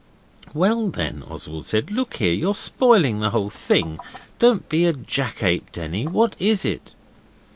'Well, then,' Oswald said, 'look here, you're spoiling the whole thing. Don't be a jackape, Denny. What is it?